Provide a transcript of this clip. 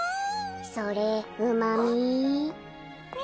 それうまみ？